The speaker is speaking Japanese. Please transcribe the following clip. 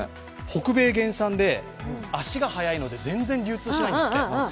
北米原産で、足が速いので全然流通しないんですって。